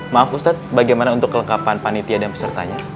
maaf ustadz bagaimana untuk kelengkapan panitia dan pesertanya